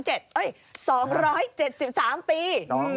เอ้ย๒๗๓ปี